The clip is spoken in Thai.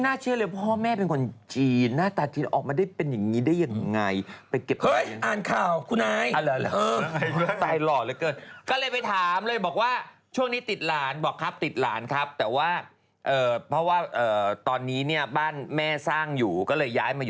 นี่เธอไม่ต้องตัดทุกคนที่ว่ามาหยุ่งกับมายูเหรอว่ะ